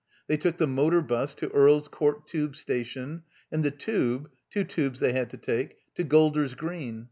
They took the motor bus to Earl's Court Tube Station, and the Tube (two Tubes they had to take) to Golder's Green.